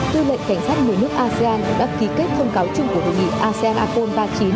tư lệnh cảnh sát người nước asean đã ký kết thông cáo chung của đồng nghị asean apol ba mươi chín